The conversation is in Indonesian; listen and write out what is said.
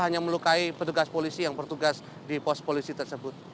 hanya melukai petugas polisi yang bertugas di pos polisi tersebut